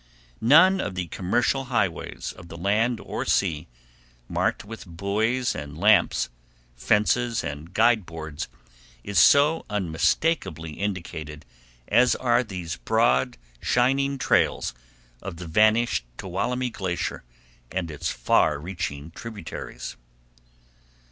None of the commerical highways of the land or sea, marked with buoys and lamps, fences, and guide boards, is so unmistakably indicated as are these broad, shining trails of the vanished Tuolumne Glacier and its far reaching tributaries.